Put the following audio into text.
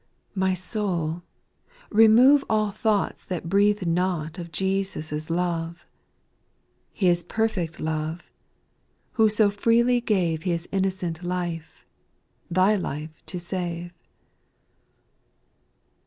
my soul, remove All thoughts that breathe not of Jesus' love— His perfect love — who so freely gave His innocent life, thy life to save.